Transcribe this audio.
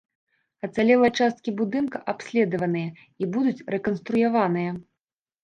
Ацалелыя часткі будынка абследаваныя і будуць рэканструяваныя.